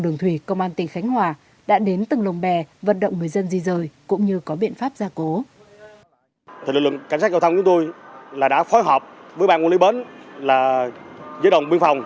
đường thủy công an tỉnh khánh hòa đã đến từng lồng bè vận động người dân di rời cũng như có biện pháp gia cố